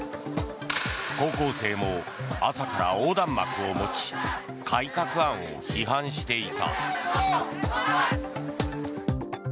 高校生も朝から横断幕を持ち改革案を批判していた。